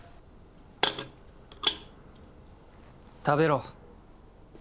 食べろ。